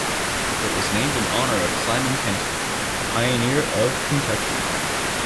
It was named in honor of Simon Kenton, a pioneer of Kentucky.